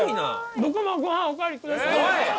僕もご飯おかわりください。